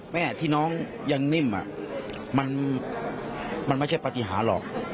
แม่ที่น้องยังนิ่มมันไม่ใช่ปฏิหารหรอก